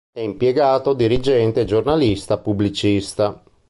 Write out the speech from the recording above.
È impiegato dirigente e giornalista pubblicista.